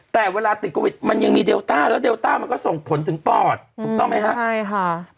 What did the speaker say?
แต่เวลาติดโควิดมันยังมีเดลต้าแล้วเลต้ามันก็ส่งผลถึงปอดถูกต้องไหมฮะใช่ค่ะ